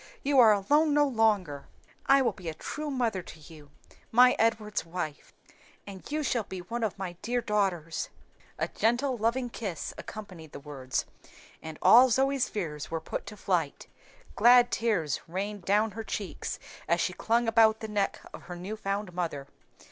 you are alone no longer. I will be a true mother to you my Edward's wife and you shall be one of my dear daughters." A gentle, loving kiss accompanied the words, and all Zoe's fears were put to flight; glad tears rained down her cheeks as she clung about the neck of her new found mother.